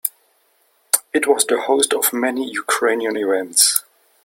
It was the host of many Ukrainian events.